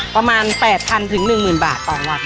ประมาณ๘๐๐๐ถึง๑๐๐๐๐บาทต่อวัน